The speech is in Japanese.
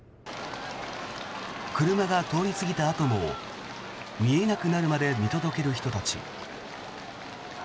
車が通り過ぎたあとも見えなくなるまで見届ける人たち。